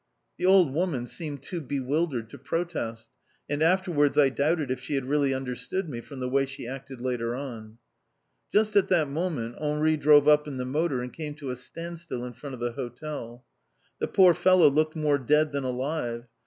The old woman seemed too bewildered to protest, and afterwards I doubted if she had really understood me from the way she acted later on. Just at that moment Henri drove up in the motor, and came to a standstill in front of the hotel. The poor fellow looked more dead than alive.